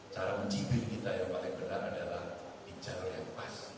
cara menjibil kita yang paling benar adalah di jalur yang pas